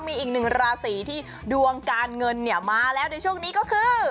มีอีกหนึ่งราศีที่ดวงการเงินเนี่ยมาแล้วในช่วงนี้ก็คือ